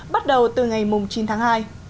bắt đầu từ ngày chín tháng hai